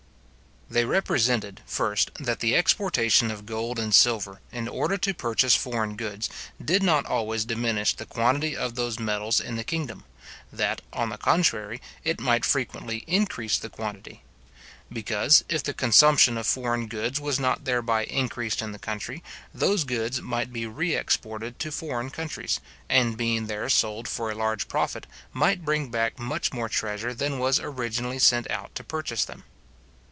They represented, first, that the exportation of gold and silver, in order to purchase foreign goods, did not always diminish the quantity of those metals in the kingdom; that, on the contrary, it might frequently increase the quantity; because, if the consumption of foreign goods was not thereby increased in the country, those goods might be re exported to foreign countries, and being there sold for a large profit, might bring back much more treasure than was originally sent out to purchase them.